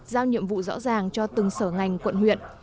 giao nhiệm vụ rõ ràng cho từng sở ngành quận huyện